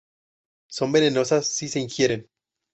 Son venenosas si se ingieren.